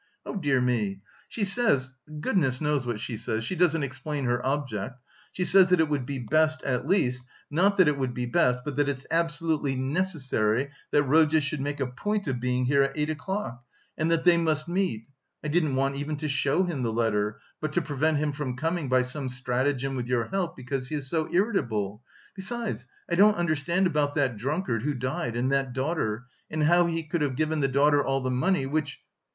"Oh, dear me! She says... goodness knows what she says, she doesn't explain her object! She says that it would be best, at least, not that it would be best, but that it's absolutely necessary that Rodya should make a point of being here at eight o'clock and that they must meet.... I didn't want even to show him the letter, but to prevent him from coming by some stratagem with your help... because he is so irritable.... Besides I don't understand about that drunkard who died and that daughter, and how he could have given the daughter all the money... which..."